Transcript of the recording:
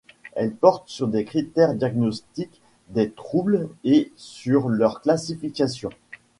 Elle porte sur les critères diagnostiques des troubles et sur leur classification.